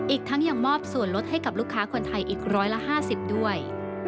อีกทั้งยังมอบส่วนลดให้กับลูกค้าคนไทยอีกร้อยละ๕๐ด้วย